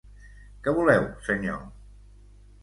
Què voleu, senyor?